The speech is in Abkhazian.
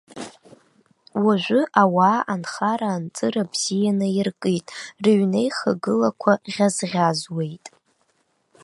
Уажәы ауаа анхара-анҵыра бзианы иркит, рыҩнеихагылақәа ӷьазӷьазуеит.